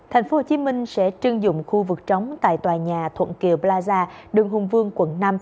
tp hcm sẽ trưng dụng khu vực trống tại tòa nhà thuận kìa plaza đường hùng vương quận năm